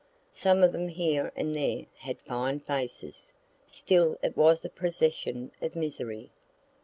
Some of them here and there had fine faces, still it was a procession of misery.